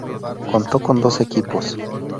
Contó con doce equipos.